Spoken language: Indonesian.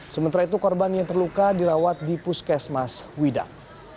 sementara itu korban yang terluka dirawat di puskesmas widang